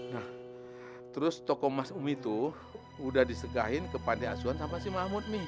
nah terus toko emas umi tuh udah disegahin ke pandai asuhan sama si mahmud mi